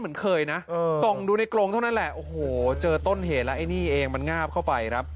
เห็นเห็นละมันงาบเข้าไป